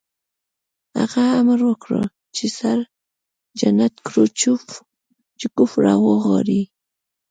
هغه امر وکړ چې سرجنټ کروچکوف را وغواړئ